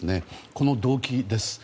この動機です。